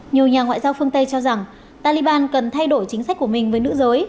nhiều nhà ngoại giao phương tây cho rằng taliban cần thay đổi chính sách của mình với nữ giới